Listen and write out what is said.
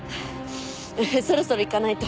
そろそろ行かないと。